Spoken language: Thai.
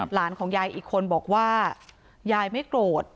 หลานของยายอีกคนบอกว่ายายไม่โกรธ